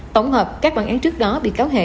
tổng hợp các bàn án trước đó bị cáo hệ